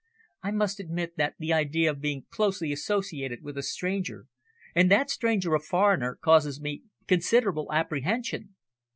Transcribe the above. "I must admit that the idea of being closely associated with a stranger, and that stranger a foreigner, causes me considerable apprehension."